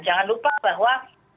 jangan lupa bahwa